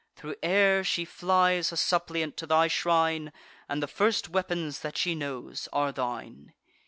Thro' air she flies a suppliant to thy shrine; And the first weapons that she knows, are thine.